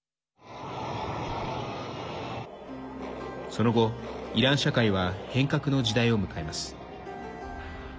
その後、イラン社会は変革の時代を迎えます。